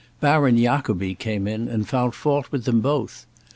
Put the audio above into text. Baron Jacobi came in and found fault with them both.